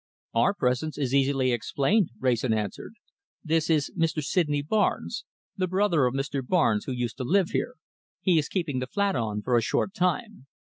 "Our presence is easily explained," Wrayson answered. "This is Mr. Sydney Barnes, the brother of the Mr. Barnes who used to live here. He is keeping the flat on for a short time."